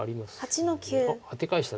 あっアテ返した。